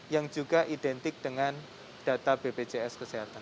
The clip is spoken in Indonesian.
yang juga identik dengan data bpjs kesehatan